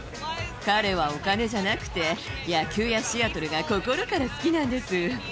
彼はお金じゃなくて、野球やシアトルが心から好きなんです。